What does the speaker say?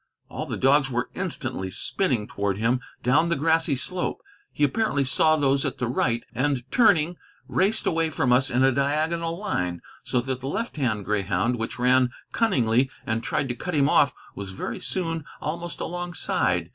All the dogs were instantly spinning toward him down the grassy slope. He apparently saw those at the right, and, turning, raced away from us in a diagonal line, so that the left hand greyhound, which ran cunningly and tried to cut him off, was very soon almost alongside.